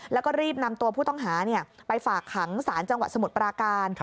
แล้วก็รีบนำตัวผู้ต้องหาไปฝากขังสารจังหวัดสมุทรปราการ